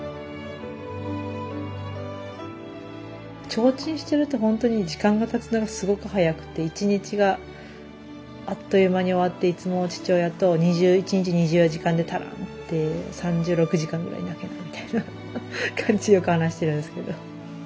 提灯してるとほんとに時間がたつのがすごく早くて１日があっという間に終わっていつも父親と１日２４時間じゃ足らんって３６時間ぐらいなきゃなみたいな感じでよく話してるんですけど。